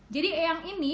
jadi eyang ini